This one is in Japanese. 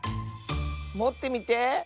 もってみて。